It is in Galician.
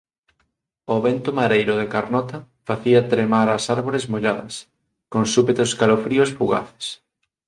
o vento mareiro da Carnota, facía tremar as arbores molladas, con súpetos calofríos fugaces.